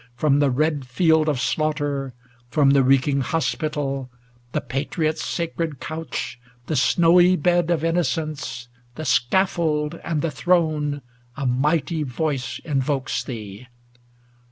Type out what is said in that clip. from the red field Of slaughter, from the reeking hospital, The patriot's sacred couch, the snowy bed Of innocence, the scaffold and the throne, 42 ALASTOR A mighty voice invokes thee